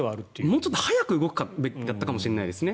もうちょっと早く動くべきだったかもしれないですね。